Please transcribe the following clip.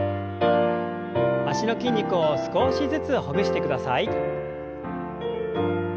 脚の筋肉を少しずつほぐしてください。